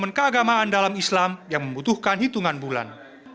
momen keagamaan dalam islam yang membutuhkan hitungan bulan